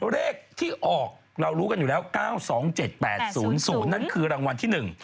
เลขที่ออกเรารู้กันอยู่แล้ว๙๒๗๘๐๐นั่นคือรางวัลที่๑